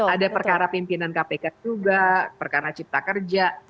ada perkara pimpinan kpk juga perkara cipta kerja